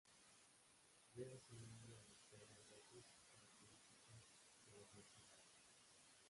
Debe su nombre a los pelos rojos característicos de las mejillas.